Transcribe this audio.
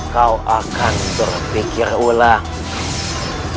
kau akan berpikir ulang